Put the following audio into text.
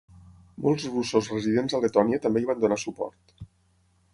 Molts russos residents a Letònia també hi van donar suport.